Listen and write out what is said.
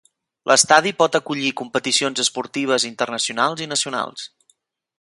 L'estadi pot acollir competicions esportives internacionals i nacionals.